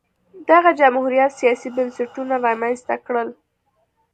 دغه جمهوریت سیاسي بنسټونه رامنځته کړل